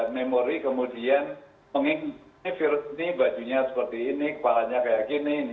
memori kemudian mengingat ini virus ini bajunya seperti ini kepalanya kayak gini